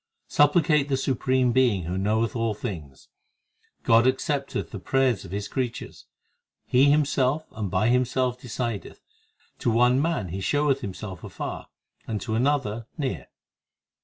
8 Supplicate the Supreme Being who knoweth all things. God accepteth the prayers of His creatures : He Himself and by Himself decideth : To one man He showeth Himself afar, and to another near.